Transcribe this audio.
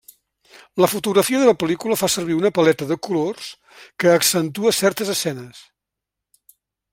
La fotografia de la pel·lícula fa servir una paleta de colors que accentua certes escenes.